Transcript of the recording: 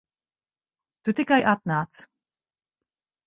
Tu tikai atnāc.